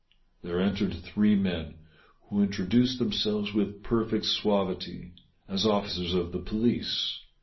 There entered three men, who introduced them selves, with perfect suavity, as officers of the police.